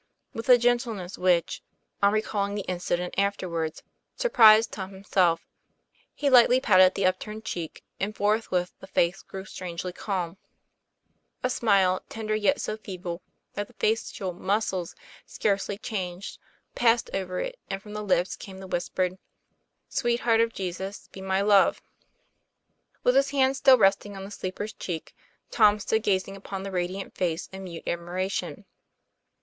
With a gentleness which, on recalling the inci 112 TOM PLA YFAIR. dent afterwards, surprised Tom himself, he lightly patted the upturned cheek ; and forthwith the face grew strangely calm; a smile, tender yet so feeble that the facial muscles scarce changed, passed over it, and from the lips came the whispered, ' Sweet Heart of Jesus, be my love." With his hand still resting on the sleeper's cheek, Tom stood gazing upon the radiant face in mute admiration.